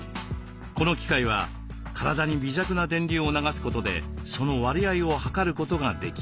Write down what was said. この機械は体に微弱な電流を流すことでその割合を測ることができます。